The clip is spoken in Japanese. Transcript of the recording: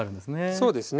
そうですね。